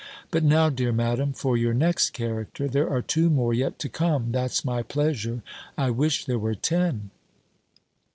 But now, dear Madam, for your next character. There are two more yet to come, that's my pleasure! I wish there were ten!"